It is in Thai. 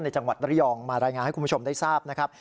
จังหวัดระยองมารายงานให้คุณผู้ชมได้ทราบนะครับ